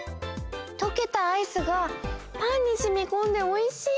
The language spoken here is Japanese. とけたアイスがパンにしみこんでおいしい！